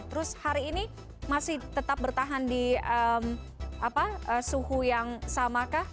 terus hari ini masih tetap bertahan di suhu yang samakah